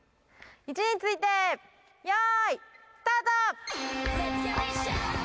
位置について用意スタート！